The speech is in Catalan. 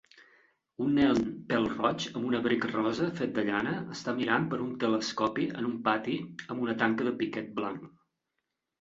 Un nen pèl roig amb un abric rosa fet de llana està mirant per un telescopi en un pati amb una tanca de piquet blanc.